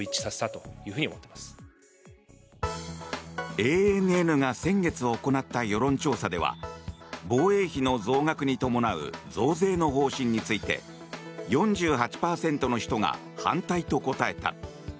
ＡＮＮが先月行った世論調査では防衛費の増額に伴う増税の方針について４８％の人が反対と答えた。